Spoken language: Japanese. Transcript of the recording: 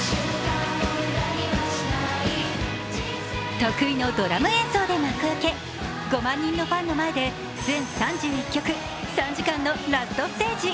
得意のドラム演奏で幕開け５万人のファンの前で全３１曲、３時間のラストステージ。